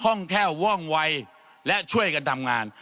ห้องแค่ว่องวัยและช่วยกันทำงาน